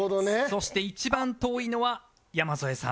そして一番遠いのは山添さん。